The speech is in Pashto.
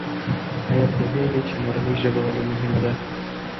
آیا پوهېږې چې مورنۍ ژبه ولې مهمه ده؟